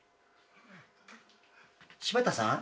柴田さん？